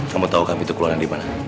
kamu tau kami tuh keluar dari mana